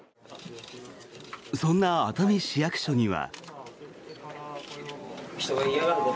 そんな熱海市役所には。